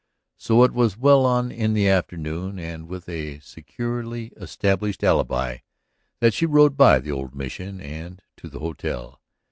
So it was well on in the afternoon and with a securely established alibi that she rode by the old Mission and to the hotel.